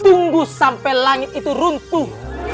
tunggu sampai langit itu rumpuh